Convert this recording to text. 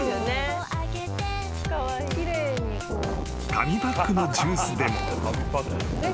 ［紙パックのジュースでも］